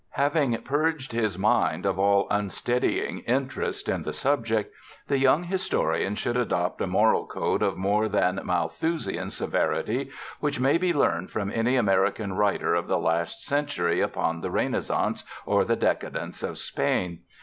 Having purged his mind of all unsteadying interest in the subject, the young historian should adopt a moral code of more than Malthusian severity, which may be learned from any American writer of the last century upon the Renaissance or the decadence of Spain.